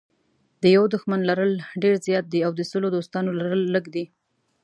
د یوه دښمن لرل ډېر زیات دي او د سلو دوستانو لرل لږ دي.